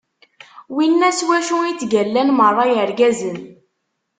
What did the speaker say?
Winna s wacu i ttgallan meṛṛa yirgazen.